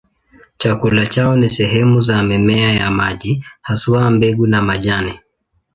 Chakula chao ni sehemu za mimea ya maji, haswa mbegu na majani.